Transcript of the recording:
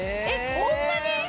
「えっこんなに？」